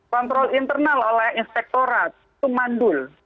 kontrol internal oleh inspektorat itu mandul